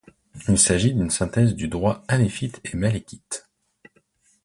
Il s'agit d'une synthèse du droit hanéfite et malékite.